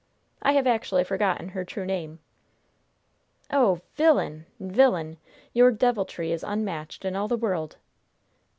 I have actually forgotten her true name." "Oh, villain! villain! Your deviltry is unmatched in all the world!"